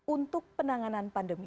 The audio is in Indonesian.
untuk penanganan pandemi